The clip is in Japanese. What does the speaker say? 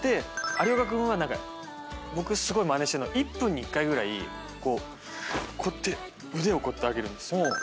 有岡君は僕すごいまねしてるのが１分に１回ぐらいこうやって腕をこうやって上げるんですよ。